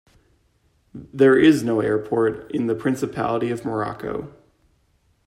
There is no airport in the Principality of Monaco.